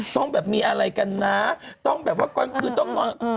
ต้องแบบมีอะไรกันนะต้องแบบว่ากลางคืนต้อง